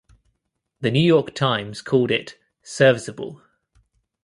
The "New York Times" called it "serviceable".